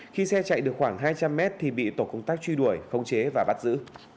khi xe chạy được khoảng hai trăm linh mét thì bị tổ công tác truy đuổi khống chế và bắt giữ